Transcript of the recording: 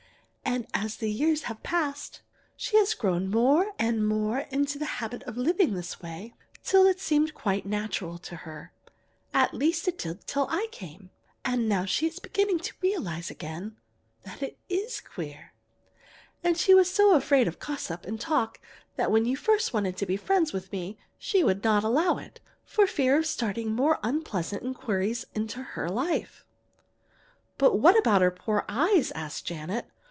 And as the years have passed she has grown more and more into the habit of living this way till it seemed quite natural to her at least it did till I came; and now she is beginning to realize again that it is queer. And she was so afraid of gossip and talk that when you first wanted to be friends with me she would not allow it, for fear of starting more unpleasant inquiries into her life." "But what about her poor eyes?" asked Janet.